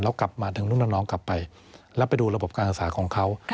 แล้วกลับมาถึงรุ่นน้องกลับไปแล้วไปดูระบบการศึกษาของเขา